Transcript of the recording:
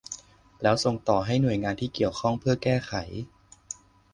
แล้วส่งต่อให้หน่วยงานที่เกี่ยวข้องเพื่อแก้ไข